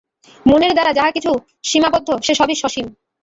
মনের দ্বারা যাহা কিছু সীমাবদ্ধ, সে-সবই সসীম।